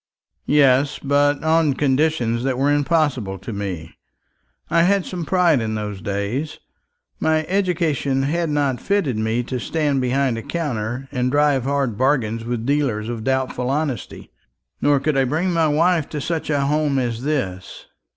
"Yes, but on conditions that were impossible to me. I had some pride in those days. My education had not fitted me to stand behind a counter and drive hard bargains with dealers of doubtful honesty. Nor could I bring my wife to such a home as this."